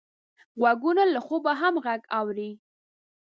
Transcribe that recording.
غوږونه له خوبه هم غږ اوري